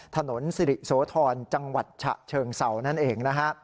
ถนนสิริโสธรจังหวัดฉะเชิงเศร้านั่นเองนะฮะ